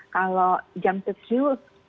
kalau jam tekiu